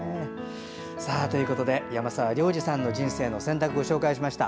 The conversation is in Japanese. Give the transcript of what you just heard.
山澤亮治さんの「人生の選択」をお伝えしました。